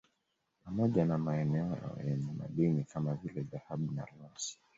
Pamoja na maeneo yenye madini kama vile dhahabu na almasi